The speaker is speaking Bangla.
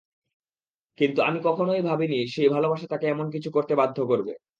কিন্তু আমি কখনই ভাবিনি সেই ভালোবাসা তাকে এমন কিছু করতে বাধ্য করবে।